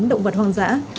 động vật hoang dã